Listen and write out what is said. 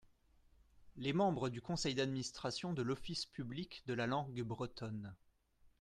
Les membres du conseil d’administration de l’office public de la langue bretonne.